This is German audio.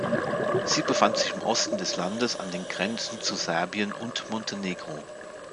Sie befand sich im Osten des Landes an den Grenzen zu Serbien und Montenegro.